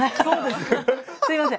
すいません。